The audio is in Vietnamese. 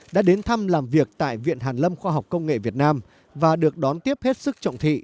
đã đến thăm làm việc tại viện hàn lâm khoa học công nghệ việt nam và được đón tiếp hết sức trọng thị